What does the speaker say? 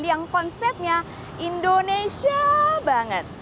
yang konsepnya indonesia banget